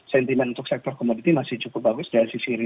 sentimen untuk sektor commodity yang akan memiliki kondisi yang tinggi